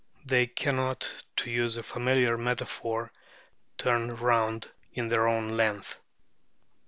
They cannot, to use a familiar metaphor, turn round in their own length.